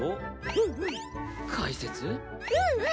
うんうん。